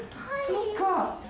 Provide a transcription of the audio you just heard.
そっか。